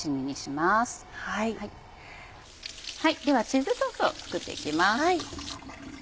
ではチーズソースを作って行きます。